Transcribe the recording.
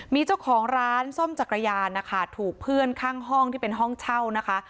มีเจ้าของร้านซ่อมจักรยานนะคะถูกเพื่อนข้างห้องที่เป็นห้องเช่านะคะ